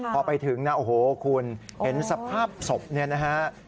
พอไปถึงนะโอ้โหคุณเห็นสภาพศพเนี่ยนะฮะ